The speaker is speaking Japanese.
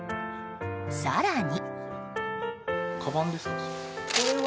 更に。